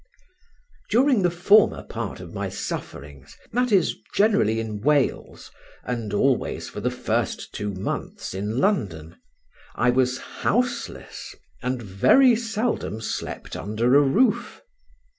During the former part of my sufferings (that is, generally in Wales, and always for the first two months in London) I was houseless, and very seldom slept under a roof.